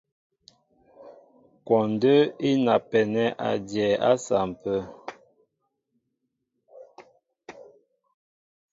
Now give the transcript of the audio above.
Kwɔndə́ í napɛnɛ́ a dyɛɛ á sampə̂.